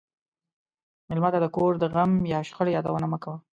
مېلمه ته د کور د غم یا شخړې یادونه مه کوه.